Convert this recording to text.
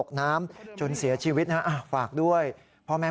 ก็นึกว่าไปกับพี่